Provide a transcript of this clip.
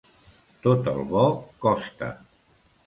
Tot el bo costa.